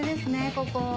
ここ。